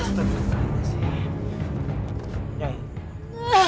astaga pengaruh kita